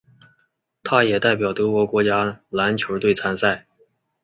他也代表德国国家篮球队参赛。